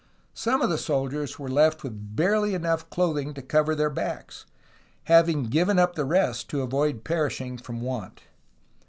Some of the soldiers were left with barely enough clothing to cover their backs, having given up the rest to avoid perishing from want.